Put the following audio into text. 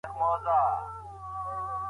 د تاريخ له تجربو څخه زده کړه وکړئ.